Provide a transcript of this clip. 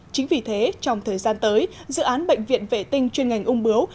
chính vì thế trong thời gian tới dự án bệnh viện vệ tinh chuyên ngành ung bướu